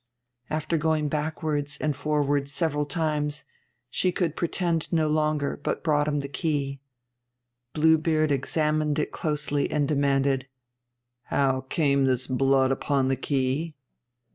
After going backwards and forwards several times, she could pretend no longer, but brought him the key. Blue Beard examined it closely, and demanded 'How came this blood upon the key?'